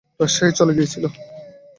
রাজশাহী চলে গিয়েছিস?